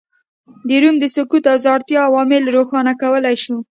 د روم د سقوط او ځوړتیا عوامل روښانه کولای شو